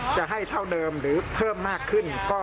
จะให้เท่าเดิมหรือเพิ่มมากขึ้น